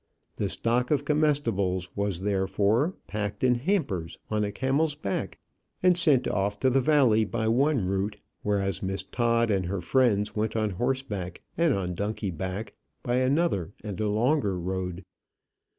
The stock of comestibles was therefore packed in hampers on a camel's back, and sent off to the valley by one route, whereas Miss Todd and her friends went on horseback and on donkey back by another and a longer road.